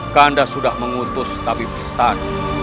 kanda sudah mengutus tabib istan